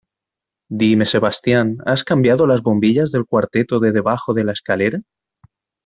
Dime, Sebastián, ¿has cambiado las bombillas del cuarteto de debajo de la escalera?